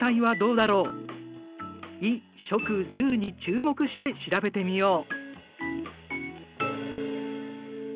「衣食住」に注目して調べてみよう。